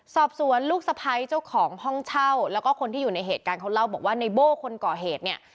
สอบสวนลูกสะพ้ายเจ้าของห้องเช่าแล้วก็คนที่อยู่ในเหตุการณ์เขาเล่าบอกว่าในโบ้คนก่อเหตุเนี่ย